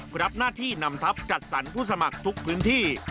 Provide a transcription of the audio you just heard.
รับหน้าที่นำทัพจัดสรรผู้สมัครทุกพื้นที่